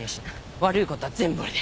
悪いことは全部俺だ。